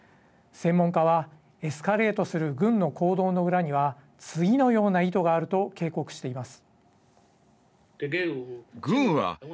専門家は、エスカレートする軍の行動の裏には次のような意図があると警告しています。